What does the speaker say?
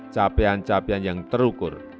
capaian capaian yang terukur